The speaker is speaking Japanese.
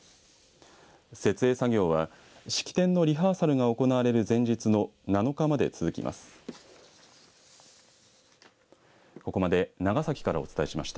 設営作業は式典のリハーサルが行われる前日の７日まで続きます。